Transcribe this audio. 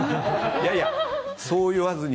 いやいや、そう言わずに。